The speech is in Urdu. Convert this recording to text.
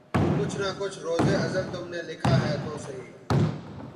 کچھ نہ کچھ روزِ ازل تم نے لکھا ہے تو سہی